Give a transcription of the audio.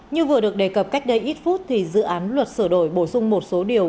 như vừa được đề cập cách đây ít phút thì dự án luật sửa đổi bổ sung một số điều